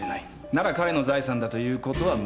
なら彼の財産だということは難しい。